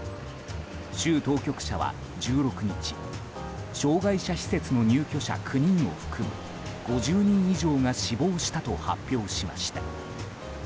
州当局者は１６日障害者施設の入居者９人を含む５０人以上が死亡したと発表しました。